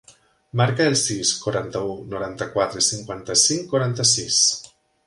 Marca el sis, quaranta-u, noranta-quatre, cinquanta-cinc, quaranta-sis.